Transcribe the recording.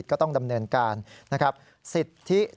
ท่านก็ให้เกียรติผมท่านก็ให้เกียรติผม